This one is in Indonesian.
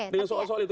dengan soal soal itu